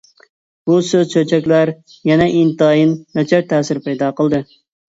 بۇ سۆز-چۆچەكلەر يەنە ئىنتايىن ناچار تەسىر پەيدا قىلدى.